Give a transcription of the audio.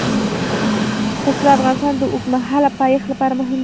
پسه د افغانستان د اوږدمهاله پایښت لپاره مهم رول لري.